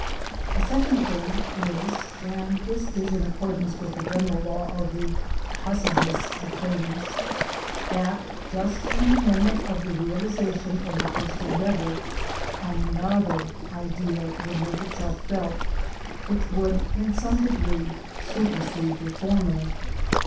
The second thing is (and this is in accordance with the general law of the " cussed ness of things ") that just in the moment of the realization of the first endeavour, another ideal would make itself felt, which would in some degree super sede the former.